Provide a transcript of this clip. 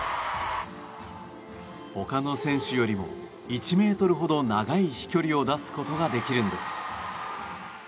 他の選手よりも１ｍほど長い飛距離を出すことができるんです。